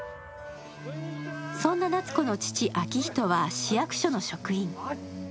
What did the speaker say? そんな夏子の父・秋人は市役所の職員。